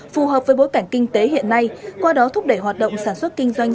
phù hợp với bối cảnh kinh tế hiện nay qua đó thúc đẩy hoạt động sản xuất kinh doanh